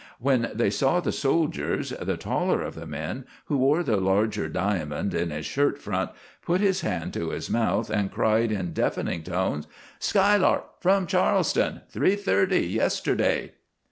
When they saw the soldiers, the taller of the men, who wore the larger diamond in his shirt front, put his hand to his mouth and cried in deafening tones: "'Skylark,' from Charleston, 3:30 yesterday."